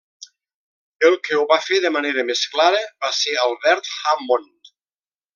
El que ho va fer de manera més clara va ser Albert Hammond.